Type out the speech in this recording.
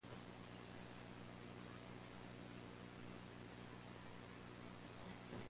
He died early, and only a few of his works survive.